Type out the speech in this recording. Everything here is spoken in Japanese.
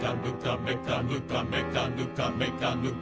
「めかぬかめかぬかめかぬか」